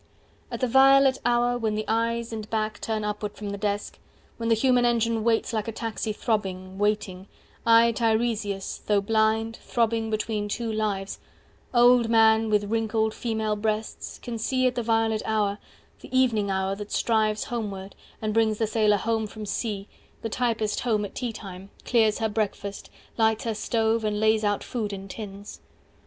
At the violet hour, when the eyes and back 215 Turn upward from the desk, when the human engine waits Like a taxi throbbing waiting, I Tiresias, though blind, throbbing between two lives, Old man with wrinkled female breasts, can see At the violet hour, the evening hour that strives 220 Homeward, and brings the sailor home from sea, The typist home at tea time, clears her breakfast, lights Her stove, and lays out food in tins.